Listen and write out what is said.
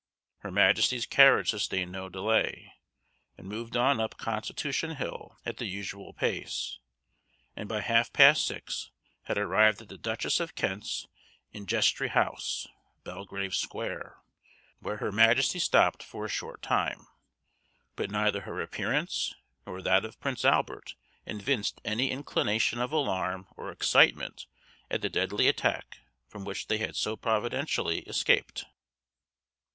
Her Majesty's carriage sustained no delay, and moved on up Constitution hill at the usual pace, and by half past six had arrived at the Duchess of Kent's Ingestrie house, Belgrave square, where her Majesty stopped for a short time, but neither her appearance nor that of Prince Albert evinced any inclination of alarm or excitement at the deadly attack from which they had so providentially escaped.